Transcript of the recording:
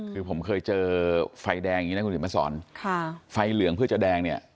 คือผมเคยเจอไฟแดงอย่างนี้นะคุณเห็นมาสอนค่ะไฟเหลืองเพื่อจะแดงเนี่ย